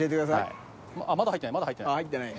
あっまだ入ってない